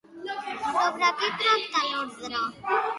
Sobre què tracta l'ordre?